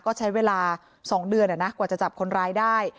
ก็ใช้เวลา๒เดือนกว่าจะจับคนร้ายได้